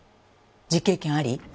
実経験あり？